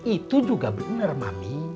itu juga bener mami